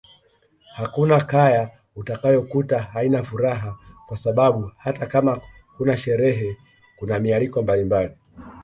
Hakuna kaya utakayokuta haina furaha kwa sababu hata kama huna sherehe kuna mialiko mbalimbali